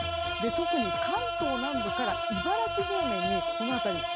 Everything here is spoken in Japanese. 特に関東南部から茨城方面の辺りに